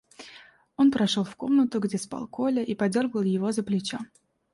Он прошел в комнату, где спал Коля, и подергал его за плечо.